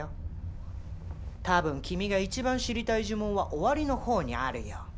多分君が一番知りたい呪文は終わりの方にあるよ。